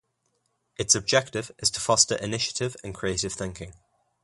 Its objective is to foster initiative and creative thinking.